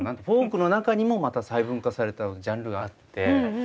フォークの中にもまた細分化されたジャンルがあって。